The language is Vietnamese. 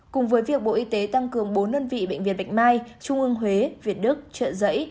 cùng với việc bộ y tế tăng cường bốn đơn vị bệnh viện bạch mai trung ương huế việt đức trợ giấy